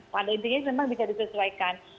pada intinya memang bisa disesuaikan